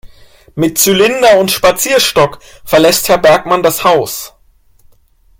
Mit Zylinder und Spazierstock verlässt Herr Bergmann das Haus.